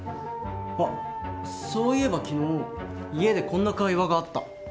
あっそういえば昨日家でこんな会話があった。